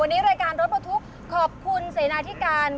วันนี้รายการรถประทุกข์ขอบคุณเสนาธิการ